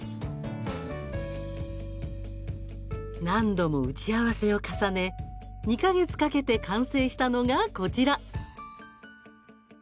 何度も打ち合わせを重ね２か月かけて完成したのがこちら。